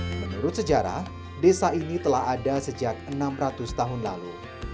menurut sejarah desa ini telah ada sejak enam ratus tahun lalu